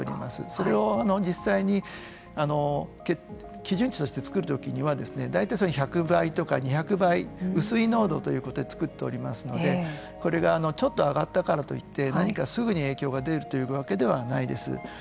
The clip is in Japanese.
それを実際に基準値として作る時には大体１００倍とか２００倍薄い濃度ということで作っておりますのでこれがちょっと上がったからといって何かすぐに影響が出るというわけではないです。